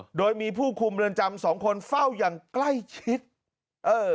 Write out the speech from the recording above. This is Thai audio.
โดยมีผู้คุมเรือนจำสองคนเฝ้าอย่างใกล้ชิดเออ